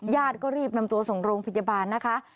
ญาติก็รีบนำตัวส่งโรงพยาบาลนะคะ